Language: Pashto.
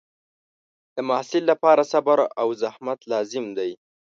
د محصل لپاره صبر او زحمت لازم دی.